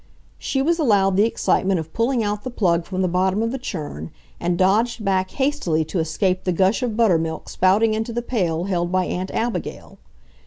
She was allowed the excitement of pulling out the plug from the bottom of the churn, and dodged back hastily to escape the gush of buttermilk spouting into the pail held by Aunt Abigail.